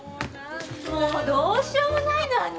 もうどうしようもないのあの人。